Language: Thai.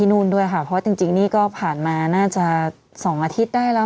นู่นด้วยค่ะเพราะว่าจริงนี่ก็ผ่านมาน่าจะ๒อาทิตย์ได้แล้ว